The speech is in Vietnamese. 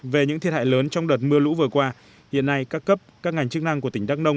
về những thiệt hại lớn trong đợt mưa lũ vừa qua hiện nay các cấp các ngành chức năng của tỉnh đắk nông